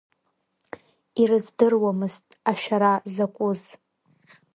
Ирыздыруамызт ашәара закәыз.